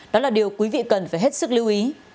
đó là điều quý vị cần phải hết sức lưu ý